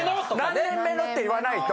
何年目のって言わないと。